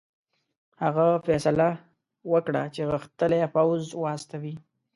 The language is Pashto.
هغه فیصله وکړه چې غښتلی پوځ واستوي.